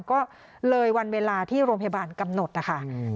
ก็เลยวันเวลาที่โรงพยาบาลกำหนดนะคะ